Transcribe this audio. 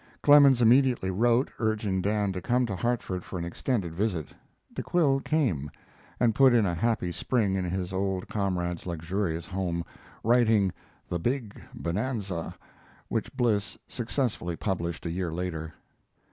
Clemens immediately wrote, urging Dan to come to Hartford for an extended visit. De Quille came, and put in a happy spring in his old comrade's luxurious home, writing 'The Big Bonanza', which Bliss successfully published a year later.